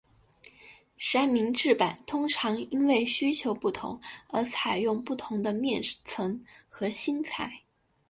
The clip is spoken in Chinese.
三明治板通常因为需求不同而采用不同的面层和芯材。